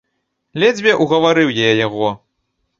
Ледзьве угаварыў я яго.